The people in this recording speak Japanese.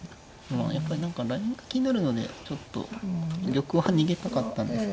やっぱり何かラインも気になるのでちょっと玉は逃げたかったんですが。